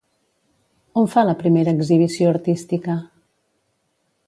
On fa la primera exhibició artística?